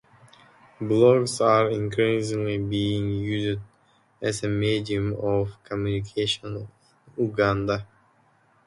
Blogs are increasingly being used as a medium of communication in Uganda.